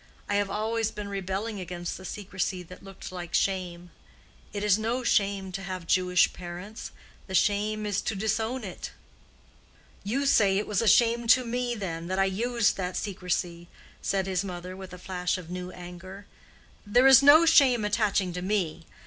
I have always been rebelling against the secrecy that looked like shame. It is no shame to have Jewish parents—the shame is to disown it." "You say it was a shame to me, then, that I used that secrecy," said his mother, with a flash of new anger. "There is no shame attaching to me.